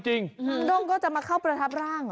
นางดงก็จะมาเข้าประทับร่างเหรอ